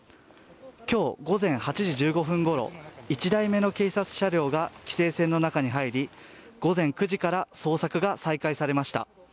今日午前８時１５分ごろ１台目の警察車両が規制線の中に入り午前９時から捜索が再開されました。